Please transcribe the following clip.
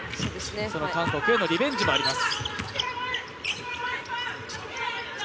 その韓国へのリベンジもあります。